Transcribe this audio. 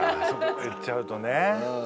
言っちゃうとね。